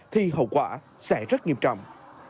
thì hậu quả sẽ rất nghiêm trọng